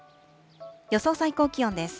予想最高気温です。